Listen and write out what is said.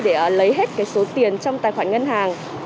để lấy hết số tiền trong tài khoản ngân hàng